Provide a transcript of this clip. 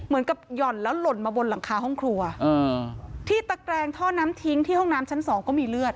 หย่อนแล้วหล่นมาบนหลังคาห้องครัวที่ตะแกรงท่อน้ำทิ้งที่ห้องน้ำชั้นสองก็มีเลือด